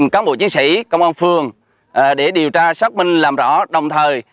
cán bộ chiến sĩ công an phường để điều tra xác minh làm rõ đồng thời